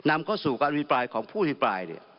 นำเข้าสู่การอภิปรายของผู้อภิปราย